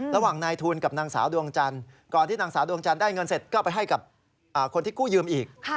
ระหว่างนายทุนกับนางสาวดวงจันทร์ก่อนที่นางสาวดวงจันทร์ได้เงินเสร็จก็ไปให้กับคนที่กู้ยืมอีก